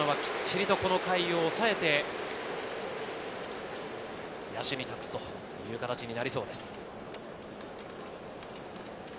菅野はきっちりこの回を抑えて、野手に託すという形になりそうです。